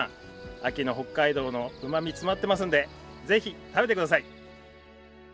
秋の北海道のうまみ詰まってますんで是非食べてください！